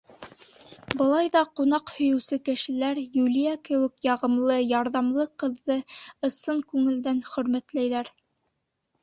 Былай ҙа ҡунаҡ һөйөүсе кешеләр, Юлия кеүек яғымлы, ярҙамлы ҡыҙҙы ысын күңелдән хөрмәтләйҙәр.